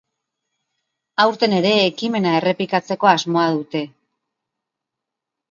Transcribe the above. Aurten ere ekimena errepikatzeko asmoa dute.